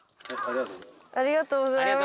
ありがとうございます！